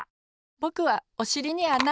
ぼくはおしりにあな！